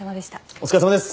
お疲れさまです！